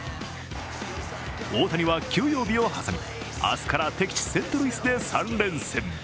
大谷は休養日を挟み、明日から敵地・セントルイスで３連戦。